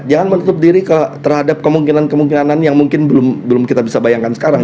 jangan menutup diri terhadap kemungkinan kemungkinan yang mungkin belum kita bisa bayangkan sekarang